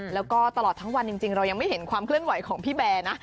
แล้วก็ตลอดทั้งวันจริงเรายังไม่เห็นความเคลื่อนไหวของพี่แบร์นะ